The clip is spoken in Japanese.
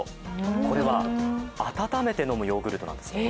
これは温めて飲むヨーグルトです。